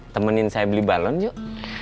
temenin saya beli balon yuk